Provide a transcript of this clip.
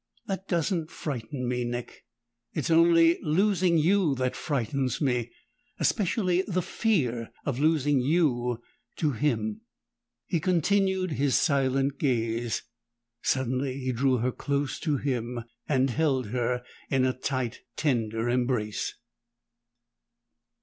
"That doesn't frighten me, Nick. It's only losing you that frightens me, especially the fear of losing you to him." He continued his silent gaze. Suddenly he drew her close to him, held her in a tight, tender embrace.